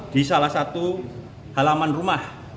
di salah satu halaman rumah